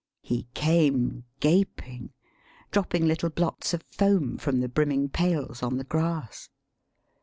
He came gaping, dropping little blots of foam from the brimming pails on the grass.